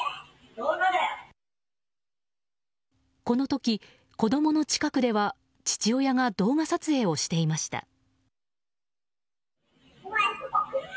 この時、子供の近くでは父親が動画撮影をしていました。